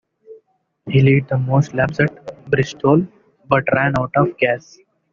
He led the most laps at Bristol, but ran out of gas.